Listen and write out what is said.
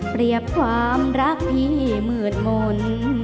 เปรียบความรักที่เหมือดมนต์